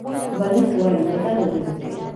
بلنټ وایي په دغه ورځو کې.